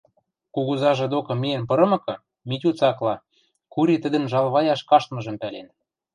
Кугузажы докы миэн пырымыкы, Митю цакла: Кури тӹдӹн жалваяш каштмыжым пӓлен.